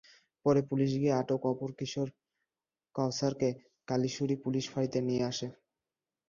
পরে পুলিশ গিয়ে আটক অপর কিশোর কাওছারকে কালিশুরী পুলিশ ফাঁড়িতে নিয়ে আসে।